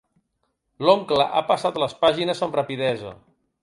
L'oncle ha passat les pàgines amb rapidesa.